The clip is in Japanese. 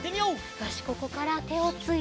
よしここからてをついて。